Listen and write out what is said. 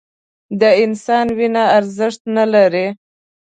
د انسان وینه ارزښت نه لري